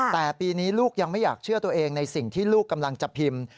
แต่ปีนี้ลูกยังไม่อยากเชื่อตัวเองในสิ่งที่ลูกกำลังจะพิมพ์